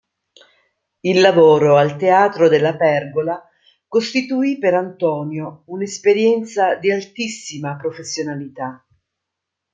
Il lavoro al Teatro della Pergola costituì per Antonio un'esperienza di altissima professionalità.